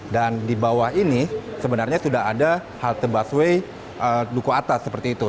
dan di bawah ini sebenarnya sudah ada halte busway duku atas seperti itu